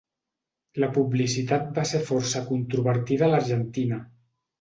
La publicitat va ser força controvertida a l'Argentina.